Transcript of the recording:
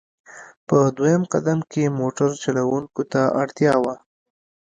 په دویم قدم کې موټر چلوونکو ته اړتیا وه.